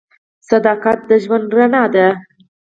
صداقت د ژوند رڼا ده.